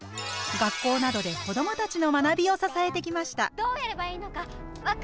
学校などで子どもたちの学びを支えてきました。